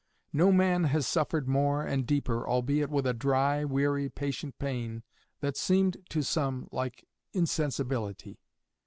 No man has suffered more and deeper, albeit with a dry, weary, patient pain, that seemed to some like insensibility.